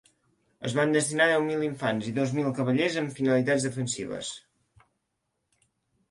Es van destinar deu mil infants i dos mil cavallers amb finalitats defensives.